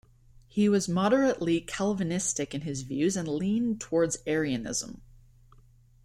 He was moderately Calvinistic in his views and leaned towards Arianism.